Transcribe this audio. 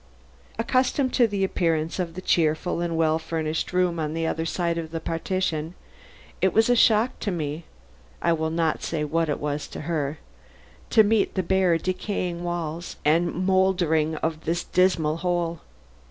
Accustomed to the appearance of the cheerful and well furnished room on the other side of the partition, it was a shock to me (I will not say what it was to her) to meet the bare decaying walls and mouldering appurtenances of this dismal hole.